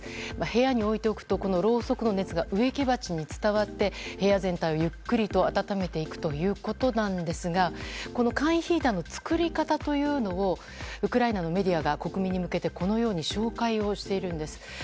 部屋に置いておくとろうそくの熱が植木鉢に伝わって部屋全体をゆっくりと暖めていくということなんですがこの簡易ヒーターの作り方というのをウクライナのメディアが国民に向けてこのように紹介しているんです。